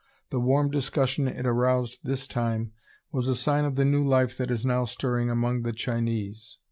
The warm discussion it aroused this time was a sign of the new life that is now stirring among the Chinese.